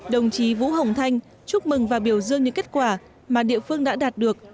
đồng chí vũ hồng thanh chúc mừng và biểu dương những kết quả mà địa phương đã đạt được